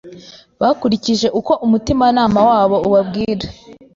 bakurikije uko umutimanama wabo ubabwira.